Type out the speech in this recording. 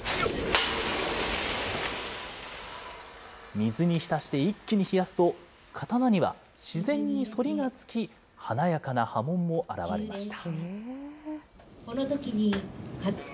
水に浸して一気に冷やすと、刀には自然に反りがつき、華やかな刃文も表れました。